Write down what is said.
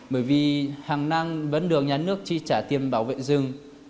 bởi vì hàng năng vấn đường nhà nước chi trả tiền bảo vệ rừng